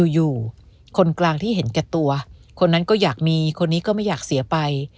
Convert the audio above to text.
อยู่คนกลางที่เห็นแก่ตัวคนนั้นก็อยากมีคนนี้ก็ไม่อยากเสียไป